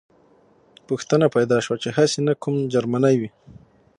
پوښتنه پیدا شوه چې هسې نه کوم جرمنی وي